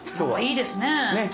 いいですねぇ。